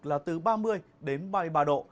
là từ ba mươi đến ba mươi ba độ